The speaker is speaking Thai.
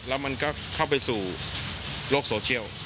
แล้วมันก็เข้าไปสู่โลกโซเชียล